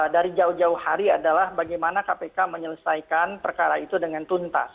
dari jauh jauh hari adalah bagaimana kpk menyelesaikan perkara itu dengan tuntas